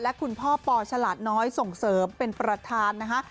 และคุณพ่อปฉลาดน้อยส่งเสริมเป็นประธานนะคะ